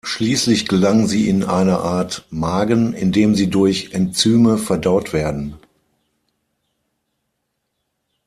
Schließlich gelangen sie in eine Art Magen, in dem sie durch Enzyme verdaut werden.